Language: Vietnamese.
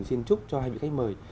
xin chúc cho hai vị khách mời